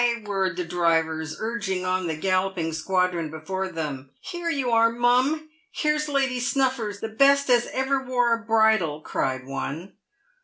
roared the drivers, urging on the galloping squa dron before them. " Here you are, mum ! here's Lady Snuffers, the best as ever wore a bridle," cried one.